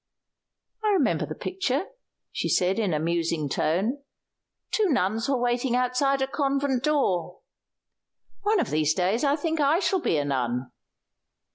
"I remember the picture," she said in a musing tone. "Two nuns were waiting outside a convent door. One of these days I think I shall be a nun."